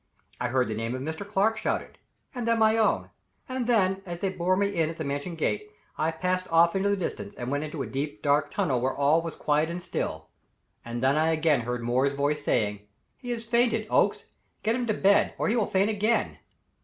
I heard the name of Mr. Clark shouted, and then my own; and then, as they bore me in at the Mansion gate, I passed away off into the distance and went into a deep, dark tunnel where all was quiet and still. And then I again heard Moore's voice saying: "He has fainted, Oakes. Get him to bed, or he will faint again."